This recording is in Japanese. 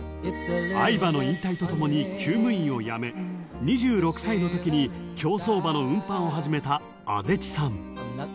［愛馬の引退とともに厩務員を辞め２６歳のときに競走馬の運搬を始めた畦地さん］